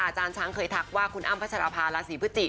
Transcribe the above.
อาจารย์ช้างเคยทักว่าคุณอ้ำพัชรภาราศีพฤศจิ